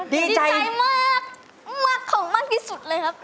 ดีใจมากมากเขามากที่สุดเลยครับ